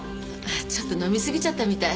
ちょっと飲み過ぎちゃったみたい。